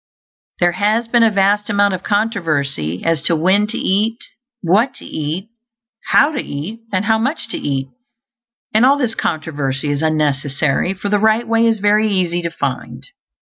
There has been a vast amount of controversy as to when to eat, what to eat, how to eat, and how much to eat; and all this controversy is unnecessary, for the Right Way is very easy to find.